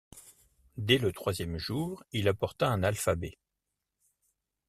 Dès le troisième jour, il apporta un alphabet.